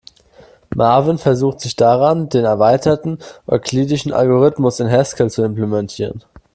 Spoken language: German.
Marvin versucht sich daran, den erweiterten euklidischen Algorithmus in Haskell zu implementieren.